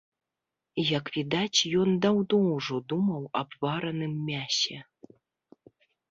Як відаць, ён даўно ўжо думаў аб вараным мясе.